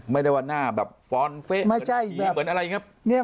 ไม่ได้ว่าหน้าแบบฟอนเฟะเหมือนอะไรอย่างนี้